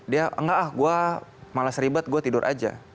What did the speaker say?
dia enggak ah gue malas ribet gue tidur aja